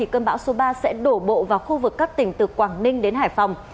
cơn bão số ba sẽ đổ bộ vào khu vực các tỉnh từ quảng ninh đến hải phòng